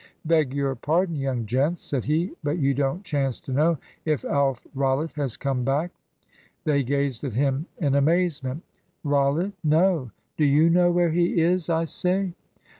"Beg your pardon, young gents," said he; "but you don't chance to know if Alf Rollitt has come back?" They gazed at him in amazement. "Rollitt? no. Do you know where he is, I say?"